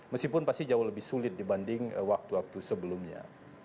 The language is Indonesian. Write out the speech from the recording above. meskipun pasti jauh lebih sulit dibanding waktu waktu sebelumnya